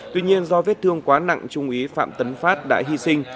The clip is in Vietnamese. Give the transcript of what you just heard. tuy nhiên do vết thương quá nặng trung úy phạm tấn phát đã hy sinh